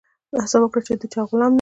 هڅه وکړه د چا غلام نه سي.